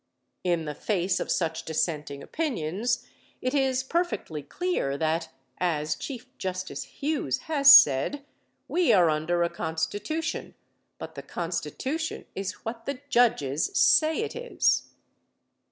In the face of such dissenting opinions, it is perfectly clear that, as Chief Justice Hughes has said, "We are under a Constitution, but the Constitution is what the judges say it is."